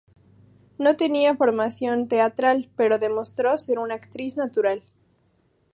No tenía formación teatral, pero demostró ser una actriz natural.